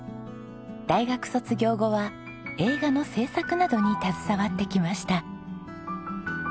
大学卒業後は映画の製作などに携わってきました。